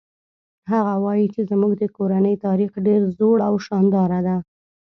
هغه وایي چې زموږ د کورنۍ تاریخ ډېر زوړ او شانداره ده